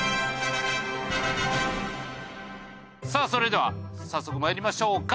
さあそれでは早速まいりましょうか。